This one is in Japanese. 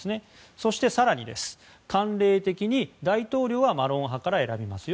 そして更に慣例的に大統領はマロン派から選びますよ。